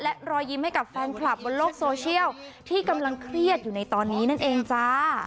และรอยยิ้มให้กับแฟนคลับบนโลกโซเชียลที่กำลังเครียดอยู่ในตอนนี้นั่นเองจ้า